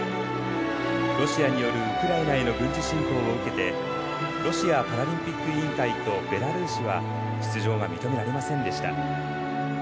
ロシアによるウクライナへの軍事侵攻を受けてロシアパラリンピック委員会とベラルーシは出場が認められませんでした。